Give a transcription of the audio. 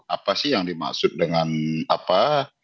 apa sih yang dimaksud dengan apa